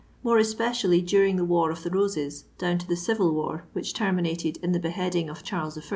more especially during the war of the Roses, do«ii to the civil wnr which terminated in the beheading of Charles I.